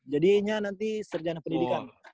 jadinya nanti serjana pendidikan